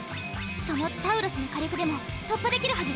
そのタウロスの火力でも突破できるはずよ。